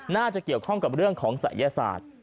น่าจะเกี่ยวข้องกับเรื่องของศัยศาสตร์